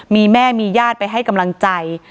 มีแม่มีญาติไปให้กำลังใจ